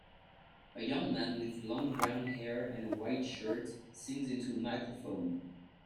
A young man with long brown hair and a white shirt sings into a microphone